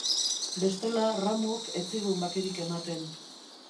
Bestela Ramuk ez zigun bakerik ematen.